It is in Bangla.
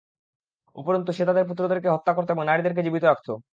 উপরন্তু সে তাদের পুত্রদেরকে হত্যা করত এবং নারীদেরকে জীবিত রাখত।